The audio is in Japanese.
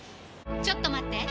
ちょっと待って！